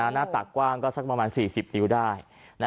หน้าตากกว้างก็สักประมาณ๔๐นิ้วได้